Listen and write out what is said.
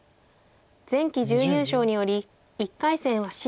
前期準優勝により１回戦はシード。